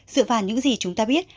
dựa vào những gì chúng ta biết